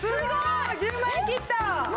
１０万円切った！